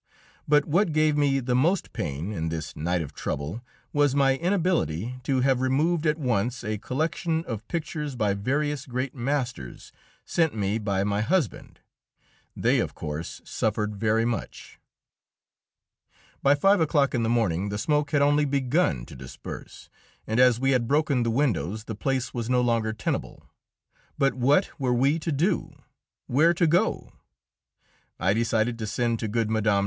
But what gave me most pain in this night of trouble was my inability to have removed at once a collection of pictures by various great masters, sent me by my husband; they, of course, suffered very much. By five o'clock in the morning the smoke had only begun to disperse, and as we had broken the windows the place was no longer tenable. But what were we to do? where to go? I decided to send to good Mme.